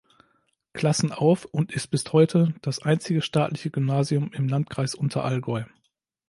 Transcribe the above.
Klassen auf und ist bis heute das einzige staatliche Gymnasium im Landkreis Unterallgäu.